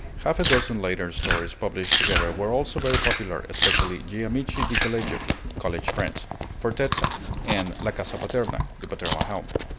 Half a dozen later stories published together were also very popular, especially 'Gli Amici di Collegio' (College Friends), 'Fortezza,' and 'La Casa Paterna' (The Paternal Home).